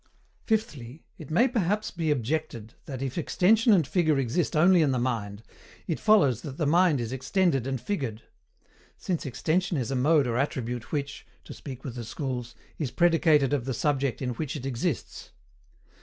Fifthly, it may perhaps be OBJECTED that if extension and figure exist only in the mind, it follows that the mind is extended and figured; since extension is a mode or attribute which (to speak with the schools) is predicated of the subject in which it exists.